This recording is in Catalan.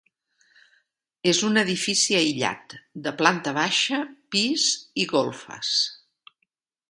És un edifici aïllat, de planta baixa, pis i golfes.